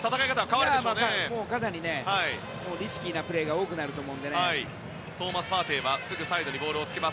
かなりリスキーなプレーが多くなると思うので。